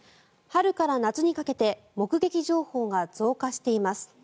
春から夏にかけて目撃情報が増加しています。